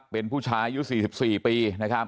เป็นผู้ชายอายุ๔๔ปี